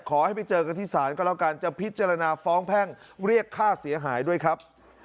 ขอให้ไปเจอกันที่ศาลก็แล้วกันจะพิจารณาฟ้องแพ่งเรียกค่าเสียหายด้วยครับ